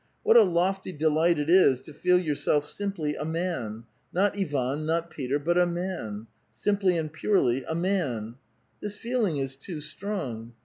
What a lofty delight it is to feel yourself simply a m»n — not Ivan, not Peter, but a man, — simply and purely a man 1 This feeling is too strong.